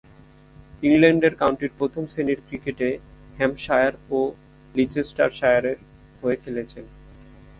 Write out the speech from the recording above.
ইংল্যান্ডের কাউন্টির প্রথম-শ্রেণীর ক্রিকেটে হ্যাম্পশায়ার ও লিচেস্টারশায়ারের হয়ে খেলেছেন।